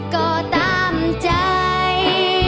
ก็ตามใจ